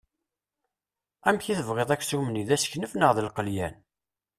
Amek i t-tebɣiḍ aksum-nni d aseknef neɣ d lqelyan?